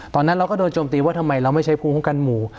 ตอนนั้นเราก็โดนโจมตีว่าทำไมเราไม่ใช้ภูมิคุ้มกันหมู่